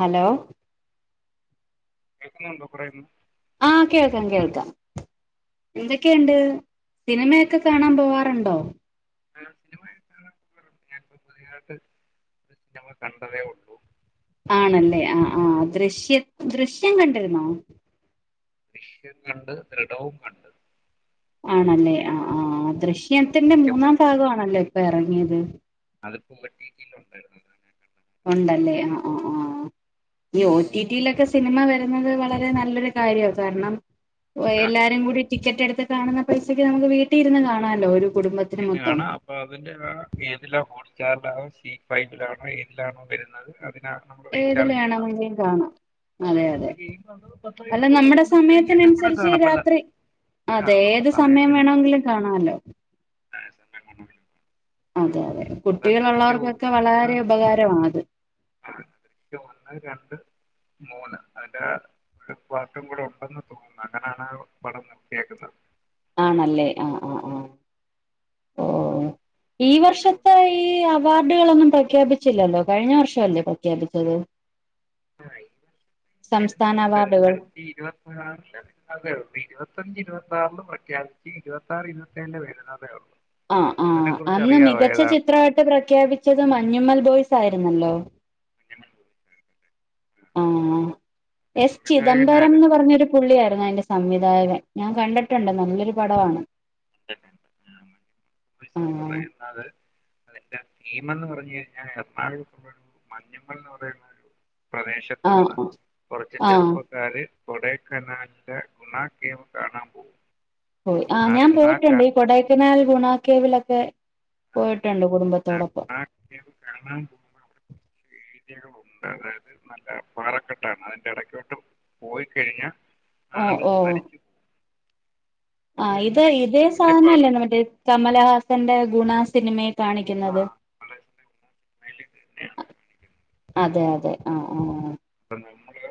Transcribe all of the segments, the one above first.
Hello കേക്കുന്നുണ്ടോ പറയുന്ന ആഹ് കേൾക്കാം കേൾക്കാം എന്തൊക്കെയുണ്ട് സിനിമയൊക്കെ കാണാൻ പോവാറുണ്ടോ? ആഹ് സിനിമയൊക്കെ കാണാൻ പോവാറുണ്ട് ഞാനിപ്പോ പുതിയായിട്ട് ഒരു സിനിമ കണ്ടതേ ഉള്ളൂ. ആണല്ലേ ആഹ് ആഹ് ദൃശ്യം ദൃശ്യം കണ്ടിരുന്നോ? ദൃശ്യം കണ്ട് ദൃഢവും കണ്ട്. ആണല്ലേ ആ ഹ്ആ ദൃശ്യത്തിന്റെ സത്യം മൂന്നാം ഭാഗം ആണല്ലോ ഇപ്പൊ ഇറങ്ങിയത് അത്പ്പോ ഒറ്റിറ്റിൽ ഉണ്ടായിരുന്നു അത് ഉണ്ടല്ലേ ആഹ് ആഹ് ആഹ് ഈ ഒറ്റി റ്റി യിലൊക്കെ സിനിമ വരുന്നത് വളരെ നല്ലൊരു കാര്യണ് കാരണം ഓ ആ എല്ലാരും കൂടി ടിക്കറ്റ് എടുത്ത് കാണുന്ന പൈസക്ക് നമുക്ക് വീട്ടില് ഇരുന്ന് കാണാല്ലോ ഒരു കുടുംബ ഇരുന്ന് കാണാം അപ്പ അതിന്റെ ഏതില ഹോട്ട് സ്‌റ്റാറിലാണോ സി ഫൈവിലാണോ ഏതിലാണോ വരുന്നത് അത് കാണണ് ങ്കിൽ ഏതില് റീചാർജ് ചെയ്യണം വേണമെങ്കിലും കാണാം അതെ അതെ റീചാർജ് ചെയ്യുമ്പോൾ അത് പത്തോ അല്ല ഇരുന്നൂറ് രൂപ നമ്മുടെ കൊടുത്തു കഴിഞ്ഞാൽ എല്ലാം കൂടെ സമയത്തിനനുസരിച്ച് കാണാം പല രാത്രി ആ അതെ നമ്മുടെ ഏത് സമയം വേണമെങ്കിലും കാണാല്ലോ ഏത് സമയം വേണോങ്കി ൽ അതെ അതെ ദൃശ്യം കുട്ടികളുള്ളവർക്കൊക്കെ വളരെ ഉപകാരമാ അത് ദൃശ്യംഒന്ന് രണ്ട് മൂന്ന് അന്നട്ട് ഒരു പാട്ടും കൂടെ ഉണ്ടെന്ന് തോന്നുന്നു അങ്ങനാണ് പടം നിർത്തിയേക്കുന്നത് ആണല്ലേ ആഹ ആ ആഹ ഓ ഈ പക്ഷെ വർഷത്തെ ഒന്ന് ഈ അവാർഡുകളൊന്നും പ്രഖ്യാപിച്ചില്ലല്ലോ കഴിഞ്ഞ വർഷം അല്ലേ പ്രഖ്യാപിച്ചത് അറിയില്ല ഈ സംസ്ഥാന [unintelligible] അവാർഡുകൾ രണ്ടായിരത്തി ഇരുപത്തിയാറല്ലേ [unintelligible] അതേ ഉള്ളൂ ഇരുപത്തഞ്ച് ഇരുപത്തിയാറില് പ്രഖ്യാപിച്ച് ഇരുപത്തി ആറ് ഇരുപത്തേഴില് വരുന്നതേ ഉള്ളൂ ആഹ് അതിനെ ആഹ് കുറിച്ച് അന്ന് അറിയാവോ മികച്ച ഏതാണ് ചിത്രമായിട്ട് പ്രഖ്യാപിച്ചത് മഞ്ഞ്മൽ ബോയ്സ് ആയിരുന്നല്ലോ മഞ്ഞു മൽ ബോയി സായിരുന്നല്ലേ ആഹ് എസ് സംവിധായകൻ ചിദംബരംന്ന് ആരെന്നറിയോ പറഞ്ഞൊരു പുള്ളിയായിരുന്നു അതിന്റെ സംവിധായകൻ ഞാൻ കണ്ടിട്ടുണ്ട് നല്ലൊരു പടമാണ് കണ്ടിട്ടുണ്ട് ആ [unintelligible] അതെന്റെ തീമംഎന്ന് പറഞ്ഞ് കഴിഞ്ഞാൽ എറണാകുളത്തുളെളാ രു മഞ്ഞമ്മ ൽഎന്ന് പറയുന്നഒരു ആ പ്രദേശത്തുന്ന് ആ കുറച്ച് ആഹ് ചെറുപ്പ കാര്കൊടക്കനാലിന്റെ ഗുണ കേവ് കാണാൻ പോവും പോ യിആ ഞാൻ പോയിട്ടുണ്ട് ഈ കൊടൈക്കനാൽ ഗുണാകേവിലൊക്കെ പോയിട്ടുണ്ട് ആ കുടുംബത്തോടൊപ്പം ഗുണ കേവ് കാണാൻ പോവുമ്പോഴാണ് ഏരിയകളുണ്ട് അതായത് നല്ല പാറക്കെട്ടാണ് അതിന്റെ ഇടക്കോട്ടും പോയി കഴിഞ്ഞ ഓ ആള് മരിച്ചു പോവും ആഹ് ഇത് ഇതേ സാധന അല്ലേ മറ്റേ കമലഹാസന്റെ ഗുണ സിനിമയിൽ ആ കാണിക്കുന്നത് വളരെ സിനിമയിൽ തന്നെയാണ് കാണിക്കുന്നത് അതെ അതെ ആഹ് ആ അ നമ്മള്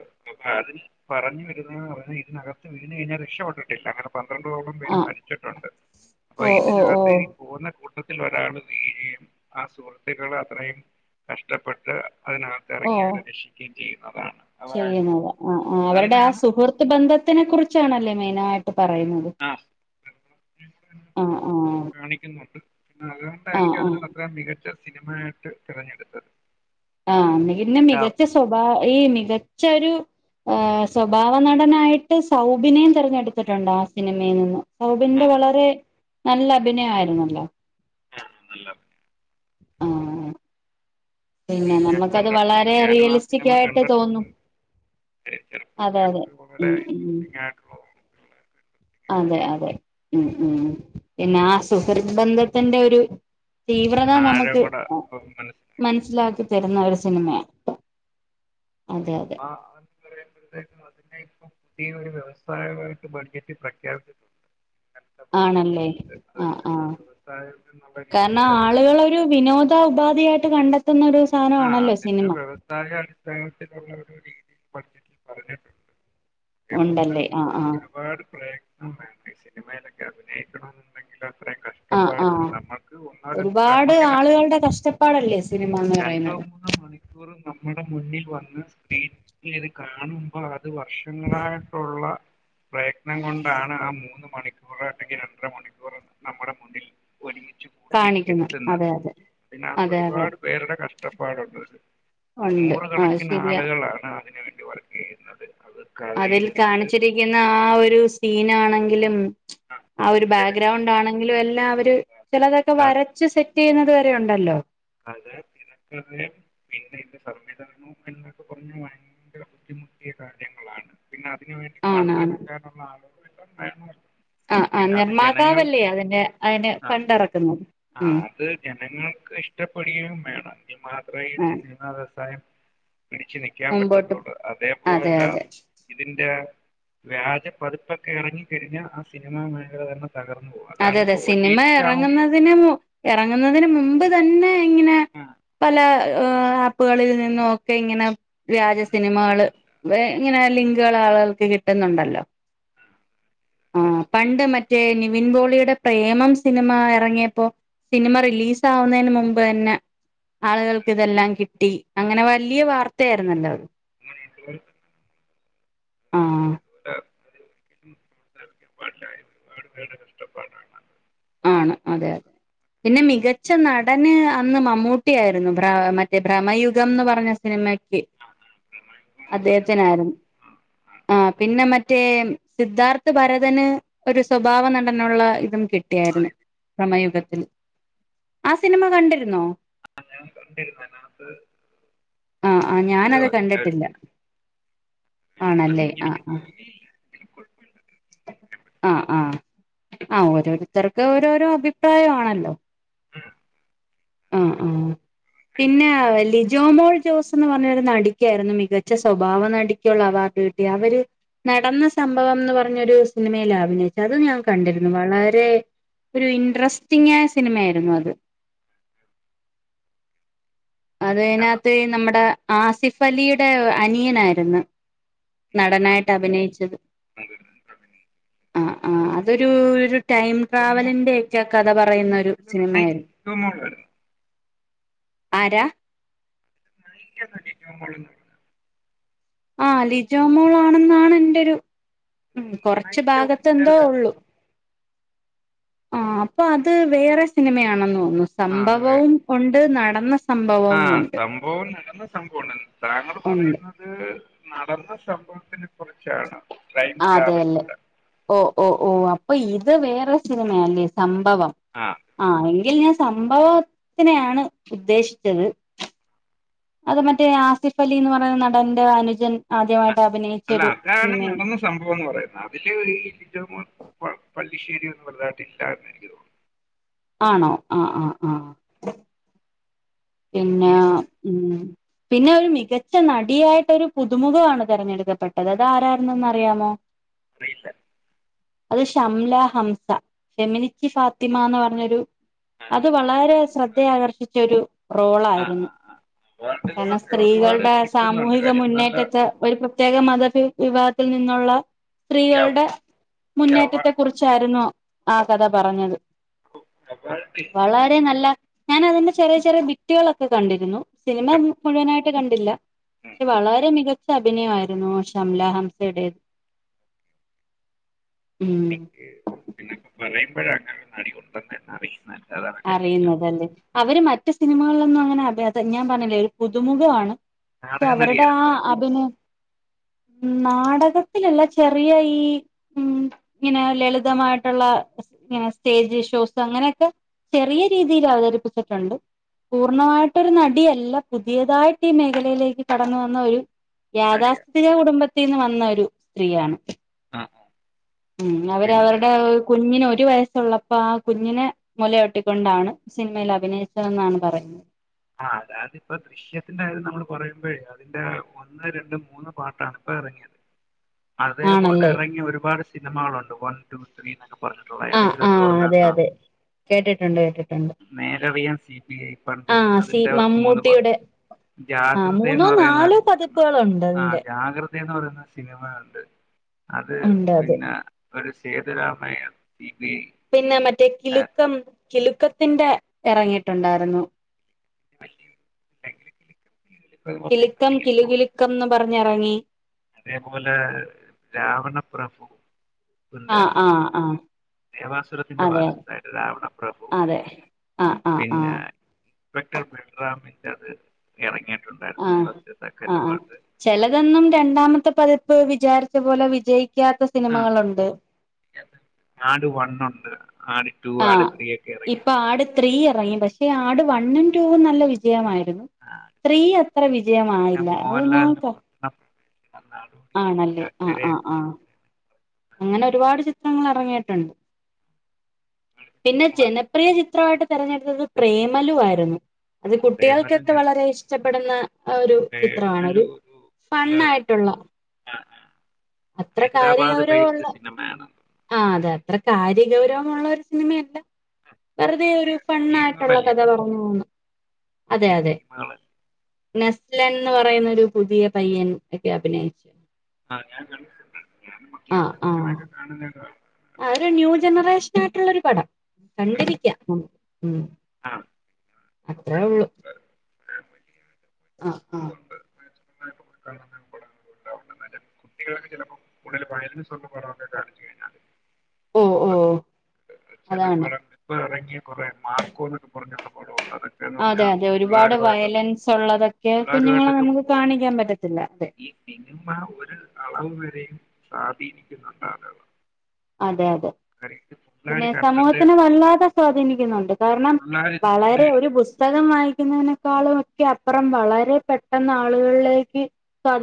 അ അതിന് പറഞ്ഞു വരുന്നേറഞ്ഞാൽ ഇതിനകത്ത് വീണ് കഴിഞ്ഞാൽ രക്ഷപെടത്തില്ല അങ്ങനെ പന്ത്രണ്ടോളം പേര് ആ മരിച്ചിട്ടുണ്ട് അപ്പൊ ഓ ഓ ഓ ഇതിനകത്ത് ഇനി പോകുന്ന കൂട്ടത്തിൽ ഒരാൾ വീഴുകയും ആ സുഹൃത്തുക്കൾ അത്രയും കഷ്ടപ്പെട്ട് അതിനകത്ത് ഓ ഇറങ്ങിയവരെ രക്ഷിക്കുകയും ചെയ്യുന്നതാണ് അതായിരുന്നു ചെയ്യുന്നത് ആ ഹ്ആ അവരുടെ ആ അതിനാണ് സുഹൃത്ത് ബന്ധത്തിനെ കുറിച്ചാണല്ലേ മെയിനായിട്ട് ക്കെ പറയുന്നത് ആ ആഹ് ആഹ് കാണിക്കുന്നുണ്ട് പിന്നെ അതുകൊണ്ടായിരിക്കും അതിന അത്ര മികച്ച സിനിമയായിട്ട് തിരഞ്ഞെടുത്തത് ആഹ് പിന്നെ ആ മികച്ച സ്വഭാവ ഈ മികച്ചൊരു ആ സ്വഭാവനടനായിട്ട് സൗബിനേം തിരഞ്ഞെടുത്തിട്ടുണ്ട് ആ സിനിമയിൽ നിന്ന് സൗബിന്റെ ആ, വളരെ നല്ല അഭിനയമായിരുന്നല്ലോ ആ നല്ല അഭി ആഹ് പിന്നെ അഹ് ഞാൻ നമുക്കത് കണ്ടിട്ടുണ്ട് വളരെ ഞാനും ആ റിയലിസ്റ്റിക് സിനിമ ആയിട്ട് കണ്ടിട്ടുണ്ട് തോന്നും അതെ അതെ അതെ ചെറുപ്പക്കാർക്ക് വളരെ ഉം ഉം ഇൻഡ്രസ്റ്റിം ആയിട്ടുള്ള അതെ അതെ മ് മ് പിന്നെ ആ സുഹൃത്ബന്ധത്തിന്റെ ഒരു തീവ്രത ആഴം നമുക്ക് കൂടെ മ ൻ അവർക്ക് മനസ്സിലാക്കാൻ മനസ്സിലാക്കി പറ്റുന്നത് തരുന്ന ഒരു സിനിമയാണ് അതെ അതെ ആന്ന് പറയുമ്പഴത്തേും അതിനെ ഇപ്പം [unintelligible] ഇതിനൊരു വ്യവസായമായിട്ട് ബഡ്ജറ്റ് പ്രഖ്യാപിച്ചിട്ടുണ്ട് ഇങ്ങനത്തെ ആണല്ലേ ബഡ്ജറ്റിനകത്ത് ആ അതിനെ ആ ഒരു വ്യവസായം എന്നുള്ള രീതിയിൽ എന്നാ തന്നെ ആളുകളൊരു വിനോദ ഉപാധിയായിട്ട് കണ്ടെത്തുന്ന ഒരു സാധനമാണല്ലോ സിനിമ താഴെ അടിസ്ഥാനത്തിലുള്ള ഒരു പരിപാടി ബഡ്ജറ്റിൽ പറഞ്ഞിട്ടുണ്ട് എമോന്റർ ഉണ്ടല്ലേ ആ ആ ഇപ്പഴും ഒരുപാട് പ്രയത്നം വേണം ഈ സിനിമയിലൊക്കെ അഭിനയിക്കണം എന്നുണ്ടെങ്കിൽ അത്രയും കഷ്ട ആഹ് ആഹ് ഒരുപാട് നമുക്ക് ര- ആളുകളുടെ കഷ്ടപ്പാടല്ലേ സിനിമ എന്ന് രണ്ടോ പറയുന്നത് മൂന്നോ മണിക്കൂറ് നമ്മുടെ മുന്നിൽ വന്ന് സ്ക്രീനിലത് കാണുമ്പോ അത് വർഷങ്ങളായിട്ടുള്ള പ്രയത്നം കൊണ്ടാണ് ആ മൂന്ന് മണിക്കൂർ അല്ലെങ്കിൽ രണ്ടര മണിക്കൂർ നമ്മുടെ മുന്നിൽ ഒരുമിച്ചു കൂട്ടി കാണിക്കുന്ന അതെ എത്തുന്നത് അതെ അതിനകത്ത് അതെ അതെ ഒരുപാട് പേരുടെ കഷ്ടപ്പാടുണ്ടതില് ഉണ്ട് ആ നൂറുകണക്കിന് ശരിയാ ആളുകളാണ് അതിനുവേണ്ടി വരു ചെയ്യുന്നത് അത് കഥ അതില് എഴുതുന്നത് കാണിച്ചിരിക്കുന്ന ആ ഒരു സീനാണെങ്കിലും ആ ഒരു ജനങ്ങൾ ബേഗ്രൗണ്ടാണെങ്കിലും എല്ലാം അവര് ചിലതൊക്കെ അത് വര ച്ച് സെറ്റ് ചെയ്യുന്നത് വരെ ഉണ്ടല്ലോ ആതേ [unintelligible] പിന്നെ ഇതിന്റെ സംവിധാനവും എന്നൊക്കെ പറഞ്ഞാൽ ഭയങ്കര ബുദ്ധിമുട്ടിയ കാര്യങ്ങളാണ് പിന്നെ അതിന് വേണ്ടി ആണാണ് ഫണ്ടെടുക്കാനുള്ള ആളുകളും വേണല്ലോ ആഹ് ആ നിർമ്മാതാവല്ലേ അതിന്റെ അയിന് ഫണ്ട് എറക്കുന്നത് ആഹ് അത് ജനങ്ങൾക്ക് ഇഷ്ടപ്പെടുകയും വേണം എങ്കിൽ മാത്രേ ആ സിനിമാ വ്യവസായം പിടിച്ചു നിക്കു ക്കാൻ മുമ്പോട്ടും പറ്റത്തുള്ളു അതെ അതേപോലെ അതെ ഇതിന്റെ വ്യാജ പതിപ്പൊക്കെറങ്ങി കഴിഞ്ഞാ ആ സിനിമാ മേഖല തന്നെ തകർന്നു പോകും അതെ അതാണ് അതെ ഇപ്പോ ഓ സിനിമ റ്റിറ്റിയിലാകും ഇറങ്ങുന്നതിന് ഇറങ്ങുന്നതിന് മുമ്പ് തന്നെ ഇങ്ങനെ ആഹ് പല ആപ്പുകളിൽ നിന്നൊക്കെ ഇങ്ങനെ വ്യാജ സിനിമകള് ഇങ്ങനെ ലിങ്കുകൾ ആളുകൾക്ക് കിട്ടുന്നുണ്ടല്ലോ ആ പണ്ട് മറ്റേ വിൻ പോളിയുടെ പ്രേമം സിനിമ ഇറങ്ങിയപ്പോ സിനിമ റിലീസാവുന്നതിന് മുമ്പ് തന്നെ ആളുകൾക്ക് ഇതെല്ലാം കിട്ടി അങ്ങനെ വലിയ വാർത്തയായിരുന്നല്ലോ അത് അങ്ങന ആഹ് അത് വേട് കഷ്ടപ്പാ ആണ് അതെ അതെ പിന്നെ മികച്ച നടന് അന്ന് മമ്മൂട്ടിയായിരുന്നു ഭ്ര മറ്റേ ഭ്രമയുഗംന്ന് പറഞ്ഞ സിനിമക്ക് മാംഗോ എന്ന് പറഞ്ഞ പടം അദ്ദേഹത്തിനായിരുന്നു ആ ആ ആഹ് പിന്നെ മറ്റേ സിദ്ധാർത്ഥ ഭരതന് ഒരു സ്വഭാവം നടനുള്ള ഇതും ആ കിട്ടും ായിരുന്നു ഇത് ഭ്രമയുഗത്തിൽ ആ സിനിമ കണ്ടിരുന്നോ ആഹ് ഞാൻ കണ്ടിരുന്നനകത്ത് ആഹ് ആ ഞാാനത് കണ്ടിട്ടില്ല ആണല്ലേ ആഹ് ബസിിങ്ങനിക്ക് ആഹ് ബക്ക ആഹ് ആഹ് ഓരോരുത്തർക്ക് ഓരോരോ അഭിപ്രായംമാണല്ലോ ആഹ് ആഹ് ആഹ് പിന്നെ ലിജോമോൾ ജോസ് എന്ന് പറഞ്ഞരു നടിക്കായിരുന്നു മികച്ച സ്വഭാവ നടിക്കുള്ള അവാർഡ് അവര് നടന്ന സംഭവം എന്ന് പറഞ്ഞൊരു സിനിമയില അഭിനയിച്ചത് അത് ഞാൻ കണ്ടിരുന്നു വളരെ ഒരു ഇൻട്രെസ്റ്റിങായ സിനിമ ആരുന്നു അത് അത് അതിനകത്ത് നമ്മുടെ ആസിഫ് അലിയുടെ അനിയനായിരുന്നു നടനായിട്ട് അഭിനയിച്ചത് ആഹ് ആഹ് അതൊരു ഒരു ടൈം ട്രാവലിന്റെ ഒക്കെ കഥ പറയുന്ന ഒരു അതിലെ സിനിമയായിരുന്നു [unintelligible] ആരാ [unintelligible] ആഹ് ലിജോമോൾ ആണെന്നാണ് എൻന്റെരു ഉം അതിൽ കൊറച്ച് നായിക ഭാഗത്തെ എന്തോ ഇല്ലല്ലോ ഉള്ളു ആഹ് അപ്പൊ അത് വേറെ സിനിമയാണെന്ന് തോന്നു ആ സംഭവവും ഉണ്ട് നടന്ന സംഭവവും ആഹ് ഉണ്ട് സംഭവം നടന്ന സംഭവം ഉണ്ട താങ്കൾ ഉണ്ട് പറയുന്ന അത് നടന്ന സംഭവത്തിനെ കുറിച്ചാണ് ടൈം ട്രാവൽ അതെല്ലേ ഉണ്ട് ഓഹ് ഓഹ് ഓഹ് അപ്പൊ ഇത് വേറെ സിനിമ അല്ലേ സംഭവം ആഹ് ആഹ് എങ്കിൽ ഞാൻ സംഭവത്തിനെയാണ് ഉദ്ദേശിച്ചത് അത് മറ്റേ ആസിഫ് അലി എന്ന് പറയുന്ന നടന്റെ അനുജൻ ആദ്യമായിട്ട് അ- അഭിനയി അല്ല അതാണ് നടന്ന സംഭവംന്ന് പറയുന്നത് അതില് ഇ പള്ളിശ്ശേരി വലതാട്ടില്ലന്ന് എനിക്ക് തോന്നുന്നു ആണോ ആഹ് ആഹ് ആഹ് പിന്നെ ഇത് ഉം പിന്നെ ഒരു മികച്ച നടിയായിട്ടൊ ഒരു പുതുമുഖമാണ് തെരഞ്ഞെടുക്കപ്പെട്ടത് അത് ആരായിരുന്ന് അറിയാമോ അറിയില്ല അത് ഷംല ഹംസ ഫെമിനിസ്റ്റ് ഫാത്തിമ എന്ന് പറഞ്ഞൊരു ആ, അത് ആ, വളരെ ശ്രദ്ധയാ ആകർഷിച്ച ഒരു ആ, ആ, റോളായിരുന്നു ആ. അവാർഡുകളൊക്കെ ഒരുപാട് സ്ത്രീകളുടെ കിട്ടുന്നുണ്ട് സാമൂഹിക കാര്യം നല്ല മുന്നേറ്റ ക്കെ ഒരു പ്രത്യേക മത വിവാഗത്തിൽ നിന്നുള്ള ഈ അവ- സ്ത്രീകളുടെ ഈ അവ- മുന്നേറ്റത്തെ കുറിച്ച് ചായിരുന്നു ആ കഥ പറഞ്ഞത് അവാർഡ് വളരെ നല്ല ഞാൻ അതിന്റെ ചെറിയ ചെറിയ ബിറ്റുകളൊക്കെ കണ്ടിരുന്നു സിനിമ ഉണ്ട്. മുഴുവനായിട്ട് കണ്ടില്ല ഉം. പക്ഷെ വളരെ മികച്ച അഭിനയായിരുന്നു ഷംല ഹംസയുടേത് ഉം എനിക്ക് പിന്നൊക്കെ പറയുമ്പോഴ അങ്ങനെ നടി ഉണ്ടെന്ന് അറിയുന്ന ന്നെ അറിയുന്നുതലേ അവര് മറ്റു സിനിമകളിലൊന്നും അങ്ങനെ അഭ ഞാൻ പറഞ്ഞില്ലേ ഒരു പുതുമുഖമാണ് പക്ഷെ നാടക അവരുടെ നടിയായിരുന്നു അവര് ആഹ് അതൊന്നും നാടകത്തിലല്ല ചെറിയ ഈ ഉം ഇങ്ങനെ ലളിതമായിട്ടുള്ള ഇങ്ങനെ സ്റ്റേജ് ഷോസ് അങ്ങനെയൊക്കെ ചെറിയ രീതിയിൽ അവതരിപ്പിച്ചിട്ടുണ്ട് പൂർണ്ണമായിട്ടൊരു നടിയല്ല പുതിയതായിട്ട് ഈ മേഖലയിലേക്ക് കടന്ന വന്ന ഒരു നടിയ യാഥാസ്ഥിതിക കുടുംബത്തിൽ നിന്ന് വന്ന ഒരു സ്ത്രീയാണ് ആ ആ ഉം പിന്നെ അവരവരുടെ കുഞ്ഞിന് ഒരു വയസ്സുള്ളപ്പോ ആ കുഞ്ഞിനെ മുലയൊട്ടി ക്കൊണ്ടാണ് സിനിമയിൽ അഭിനയിച്ചതെന്നാണ് പറയുന്നത് ആഹ് അതായത് ഇപ്പൊ ദൃശ്യത്തിന്റെ അത് നമ്മൾ പറയുമ്പോഴ അതിന്റെ ഒന്ന് രണ്ട് മൂന്ന് പാർട്ടാണ് ഇപ്പ ഇറങ്ങിയത് [inaudible] അതേപോലെ ആണല്ലേ ഇറങ്ങിയ ഒരുപാട് സിനിമകളുണ്ട് വൺ ടു ത്രീ എന്നൊക്കെ പറഞ്ഞിട്ടുള്ള ആഹ് ഏതെങ്കിലും ഒരു ആഹ് ഓർമ്മ അതെ ഉണ്ടോ അതെ കേട്ടിട്ടുണ്ട് കേട്ട് നേരറിയാൻ സി പി ഐ പണ്ട് ആഹ് സി അതിന്റെ മൂന്ന് പോ മമ്മൂട്ടിയുടെ ആ ജാഗ്രതെ മൂന്നോ പറയുന്ന നാലോ സിനിമ പതിപ്പുകളുണ്ട് ആഹ് അതിന്റെ ജാഗ്രത [unintelligible] പറയുന്ന സിനിമ ഉണ്ട് അത് ഉണ്ട് അതെ പിന്നാ ഒരു സേതുരാമയ്യർ സി പി ഐ പിന്നെ മറ്റേ കിലുക്കം കിലുക്കത്തിന്റെ ഇറങ്ങിയിട്ടുണ്ടായിരുന്നു [unintelligible] കിലുക്കം കിലു ഐ കിലുക്കം എന്ന് പറഞ്ഞിറങ്ങി അതേപോലെ രാവണ പ്രഭു ആഹ് ആഹ് ആഹ് ദേവാസുരത്തിന്റെ [unintelligible] അതെ അതായത് രാവണപ്രഭു അതെ ആഹ് ആഹ് പിന്നെ ആഹ് ഇൻസ്പെക്ടർ ബൽറാമിന്റെ അത് ഇറങ്ങിയിട്ടുണ്ടായിരുന്നു ഫസ്റ്റ് സെക്കൻഡ് പാർട്ട് ചിലതൊന്നും രണ്ടാമത്തെ പതിപ്പ് വിചാരിച്ച പോലെ വിജയിക്കാത്ത ആ. സിനിമകളുണ്ട് ആട് വണ്ണ് ഉണ്ട് ആട് ടു ആട് ആഹ് ത്രീ ഒക്കെ ഇറങ്ങി ഇപ്പൊ ആട് ത്രീ ഇറങ്ങി പക്ഷേ ആട് വണ്ണും ടൂവും നല്ല വിജയമായിരുന്നു ആട് ത്രീ അത്ര വിജയമായില്ല അത് പിന്നെ ന ആണല്ലേ ആഹ് ആഹ് ആഹ് അങ്ങനെ ഒരുപാട് ചിത്രങ്ങൾ ഇറങ്ങിയിട്ടുണ്ട് പറഞ്ഞിട്ട് ഇറങ്ങിയ ഒരുപാട് പിന്നെ ചിത്രങ്ങളാണ് ജന പ്രിയ ചിത്രമായിട്ട് തിരഞ്ഞെടുത്തത് പ്രേമലു ആരുന്നു അത് പ്രേമലു കുട്ടികൾക്കൊക്കെ ഞങ്ങൾ വളരെ ഇഷ്ടപ്പെടുന്ന ഒരു ചിത്രമാണ് പ്രേമലു ഒരു ഫൺ ആയിട്ടുള്ള ആഹ് ആതെ ഹൈദരാബാദ് ബേയ്സ്റ്റ് സിനിമയാണന്ന് ആഹ് അതെ അത്ര കാര്യ ഗൗരവമുള്ള ഒരു സിനിമയല്ല പുതിയ വെറുതെ ഒരു പുതിയ ഫണ്ണ് ആയിട്ടുള്ള ടീമുകളല്ലേ കഥ വരുന്നത് ആ അതെ പുതിയ അതെ ടീമുകൾ നെസ്ലൻ എന്ന് പറയുന്നൊരു പുതിയ പയ്യൻ ഒക്കെ അഭിനയിച്ചു ആഹ് ഞാൻ കണ്ടിട്ടുണ്ട് ഞാനും ആ അത്യാവശ്യം ആ സിനിമയൊക്കെ കാണലുണ്ട് ആ ഒരു ന്യൂ ജനറേഷൻ ആയിട്ടുള്ളൊരു പടം കണ്ടിരിക്കാം ഉം ഉം ആഹ് അത്രേ ഉള്ളൂ [unintelligible] ആ ആ കാണുന്നതോണ്ട് [unintelligible] [unintelligible] കുട്ടികൾക്ക് ചെലപ്പോ കൂട്തല് [unintelligible] ഓഹ് ഓഹ് ചില പടം ഇപ്പോ ഇറങ്ങിയ കുറെ മാർക്കോന്ന് പറഞ്ഞുള്ള പടമുണ്ട് അത് അതെ അതെ ഒരുപാട് വയലൻസ് ഉള്ളതൊക്കെ കുഞ്ഞുങ്ങളെ പിള്ളേരുമായിട്ടൊക്കെ നമുക്ക് പോ- കുഞ്ഞ് കാണിക്കാൻ പറ്റത്തില്ല അതെ ഈ സിനിമ ഒരു അളവ് വരെയും സ്വാധീനിക്കുന്നുണ്ട് ആളുകളെ അതെ അതെ കാര്യം ഇത് പിള്ളേർ പിന്നെ കണ്ടിട്ട് സമൂഹത്തിന് വല്ലാതെ സ്വാധീനിക്കുന്നുണ്ട് കാരണം പിള്ളേരിത് കണ്ട് വളരെ ഒരു കഴിഞ്ഞിട്ട് ബുസ് പുസ്തകം വായിക്കുന്നതിനെക്കാളും ഒക്കെ അപ്പുറം വളരെ പെട്ടെന്ന് ആളുകളിലേക്ക്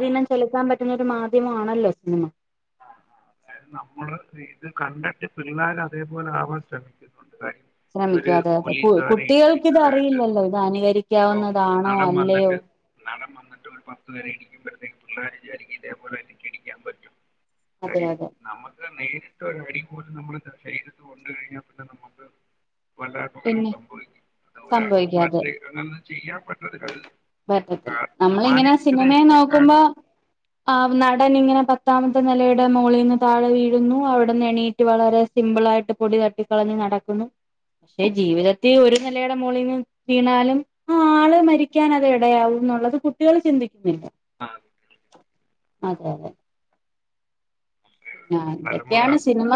ആ ആ ചെലുത്താൻ പറ്റുന്ന ഒരു മാധ്യമം ആണല്ലോ സിനിമ അതായത് നമ്മള് ഇത് കണ്ടിട്ട് പിള്ളേർ അതേപോലെ ആവാൻ ശ്രമിക്കും അതുകൊണ്ട് കാര്യം ഒര് ശ്രമിക്കും അതെ അതെ കു പോലീസുകാരെ കുട്ടികൾക്ക് ഇത് ഇടിക്കുന്നതാട്ടേ അറിയില്ലല്ലോ ഇത് ഇപ്പൊ ഒരു അനുകരിക്കാവുന്നതാണോ നടൻ അല്ലയോ വന്നിട്ട് നടൻ വന്നിട്ട് ഒരു പത്ത് പേരെ ഇടിക്കുമ്പോഴത്തേക്ക് പിള്ളേര് വിചാരിക്കും ഇതേപോലെ എനിക്ക് ഇടിക്കാൻ പറ്റും അതെ കാര്യം അതെ നമുക്ക് നേരിട്ട് ഒരു അടി പോലും നമ്മള് ശരീരത്ത് കൊണ്ട് കഴിഞ്ഞാൽ പിന്നെ നമുക്ക് വല്ല അപകടവും പിന്നെ സംഭവിക്കും അത് ഒരാൾക്കൊന്നും സംഭവിക്കാതെ മറ്റേന്ന് ചെയ്യാൻ പറ്റത്തില്ല അത്‌ പറ്റത്തില്ല നമ്മളിങ്ങനെ സിനിമയെ നോക്കുമ്പോ കാണിക്കുന്നത് ആഹ് നടൻ ഇങ്ങനെ പത്താമത്തെ നിലയുടെ മോളീന്ന് താഴെ വീഴുന്നു അവിടെന്ന് എണീ റ്റ് വളരെ സിമ്പിളായിട്ട് പൊടി തട്ടിക്കളഞ്ഞ് നടക്കുന്നു പക്ഷെ ജീവിതത്തിൽ ഒരു നിലയുടെ മോളിന്ന് വീണാലും ആഹ് ആള് മരിക്കാൻ അത് ഇടയാവും എന്നുള്ളത് കുട്ടികള് ചിന്തിക്കുന്നില്ല ആ അതെ അതെ പിന്നെ തലമുറ ഇതൊക്കെയാണ് സിനിമ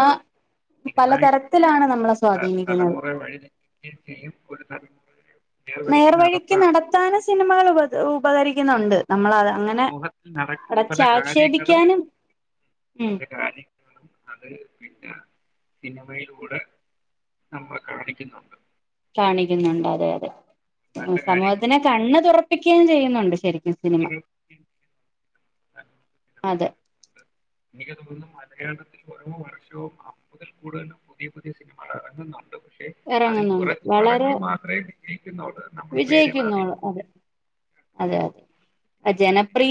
തീരുമാനിക്കപ്പെട്ട പലതരത്തിലാണ് നമ്മളെ സ്വാധീനിക്കുന്നത് [unintelligible] [inaudible] നേർവഴിക്ക് നടത്താൻ നടത്താനും സിനിമകള് ഉപ ഉപകരിക്കുന്നുണ്ട് നമ്മള് അത് അങ്ങനെ സമൂഹത്തിൽ നടക്കുന്ന പല അടച്ചാക്ഷേപിക്കാനും ഉം എന്റെ കാല് അത് പിന്നെ സിനിമയിലൂടെ നമ്മൾ കാണിക്കുന്നുണ്ട് കാണിക്കുന്നുണ്ട് അതെ അതെ നല്ല സമൂഹത്തിനെ കാര്യങ്ങളുണ്ട് കണ്ണ് തുറപ്പിക്കെം ചെയ്യുന്നുണ്ട് ശരിക്കും സിനിമ അവര് [inaudible] [inaudible] എനിക്ക് തോന്നുന്നു മലയാളത്തിൽ ഓരോ വർഷവും ആ മുതൽ കൂടുതലും പുതിയ പുതിയ സിനിമകൾ ഇറങ്ങുന്നുണ്ട് പക്ഷേ അതിൽ ഇറങ്ങുന്നുണ്ട് കുറച്ച് വളരെ പടങ്ങൾ മാത്ര വിജയിക്കുന്നുള്ളൂ നമ്മൾ പേരുകളെ വിജയിക്കുന്നോളൂ അറിയുന്നു അതെ അതെ അതെ അറിയുന്നുള്ളൂ ജനപ്രീ